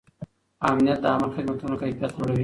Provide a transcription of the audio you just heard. امنیت د عامه خدمتونو کیفیت لوړوي.